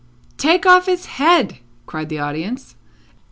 "Take off his head!" cried the audience.